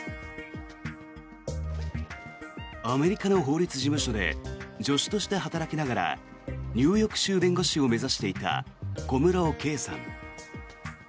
アメリカの法律事務所で助手として働きながらニューヨーク州弁護士を目指していた小室圭さん。